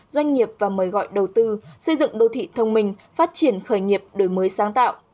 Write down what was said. doanh nghiệp và mời gọi đầu tư xây dựng đô thị thông minh phát triển khởi nghiệp đổi mới sáng tạo